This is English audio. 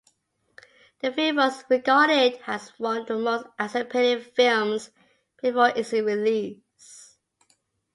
The film was regarded as one of the most anticipated films before its release.